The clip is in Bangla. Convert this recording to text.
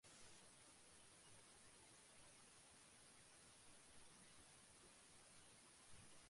শহরের অফুরন্ত বিস্ময় অভিভূত করিয়া না রাখিলে মতির দুচোখ ভরিয়া হয়তো জল আসিত।